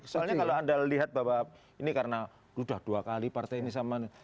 soalnya kalau anda lihat bahwa ini karena sudah dua kali partai ini sama